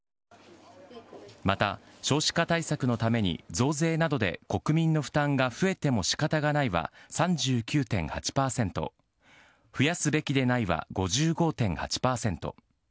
また少子化対策のために、増税などで国民の負担が増えてもしかたがないは３９．８％、増やすべきでないは５５．８％。